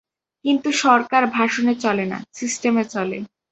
কিন্তু সরকার ভাষণে চলে না, সিস্টেমে চলে।